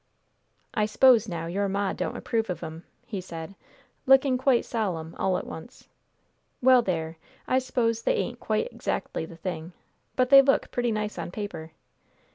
"I s'pose, now, your Ma don't approve of 'em," he said, looking quite solemn all at once; "well there, I s'pose they ain't quite 'xactly the thing, but they look pretty nice on paper.